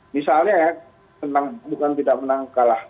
misalnya ya bukan tidak menang kalah